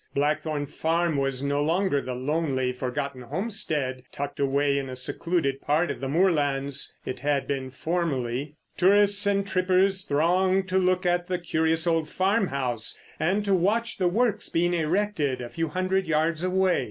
Blackthorn Farm was no longer the lonely, forgotten homestead, tucked away in a secluded part of the moorlands it had been formerly. Tourists and trippers thronged to look at the curious old farmhouse and to watch the works being erected a few hundred yards away.